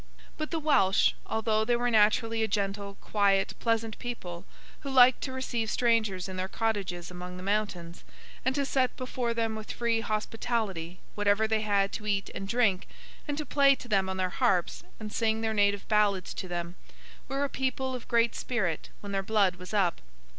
But the Welsh, although they were naturally a gentle, quiet, pleasant people, who liked to receive strangers in their cottages among the mountains, and to set before them with free hospitality whatever they had to eat and drink, and to play to them on their harps, and sing their native ballads to them, were a people of great spirit when their blood was up.